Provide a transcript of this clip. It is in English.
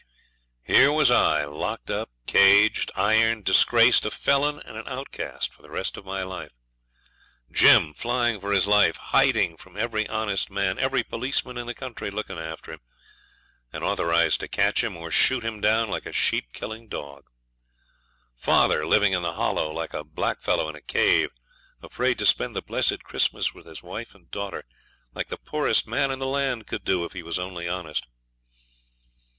Here was I locked up, caged, ironed, disgraced, a felon and an outcast for the rest of my life. Jim, flying for his life, hiding from every honest man, every policeman in the country looking after him, and authorised to catch him or shoot him down like a sheep killing dog. Father living in the Hollow, like a blackfellow in a cave, afraid to spend the blessed Christmas with his wife and daughter, like the poorest man in the land could do if he was only honest.